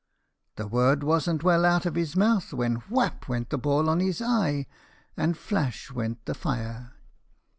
The word wasn't well out of his mouth when whap went the ball on his eye, and flash went the fire.